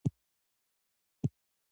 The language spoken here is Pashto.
زه غواړم، چي ښه انسان راڅخه جوړ سي.